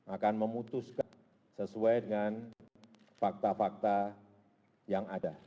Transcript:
akan memutuskan sesuai dengan fakta fakta yang ada